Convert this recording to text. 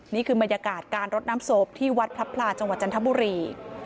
นี่คือบรรยากาศการรดน้ำศพที่วัดพระพลาจังหวัดจันทบุรี